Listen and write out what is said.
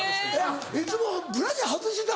いつもブラジャー外してた？